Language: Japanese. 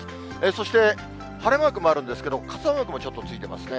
そして、晴れマークもあるんですけど、傘マークもちょっとついてますね。